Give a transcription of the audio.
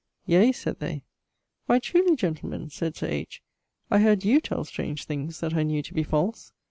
'Yea,' sayd they. 'Why truly, gentlemen,' sayd Sir H. 'I heard you tell strange things that I knew to be false.